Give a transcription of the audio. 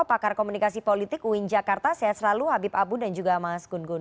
pakar komunikasi politik uin jakarta sehat selalu habib abu dan juga mas gun gun